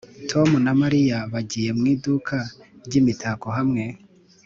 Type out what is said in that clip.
tom na mariya bagiye mu iduka ryimitako hamwe.